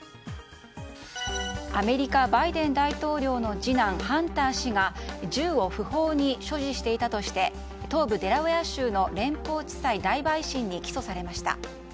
アメリカ、バイデン大統領の次男ハンター氏が銃を不法に所持していたとして東部デラウェア州の連邦地裁大陪審に起訴されました。